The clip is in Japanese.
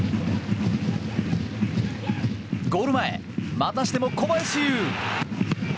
ゴール前またしても小林悠！